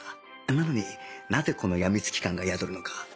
なのになぜこの病み付き感が宿るのか？